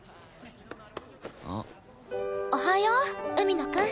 おはよう海野くん。